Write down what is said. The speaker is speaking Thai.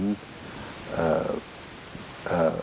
อันที่๑๔